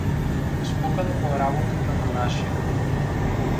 Спукана му е работата на нашия.